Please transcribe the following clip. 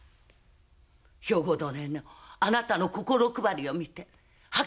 兵庫殿へのあなたの心配りを見てはっきりと感じました。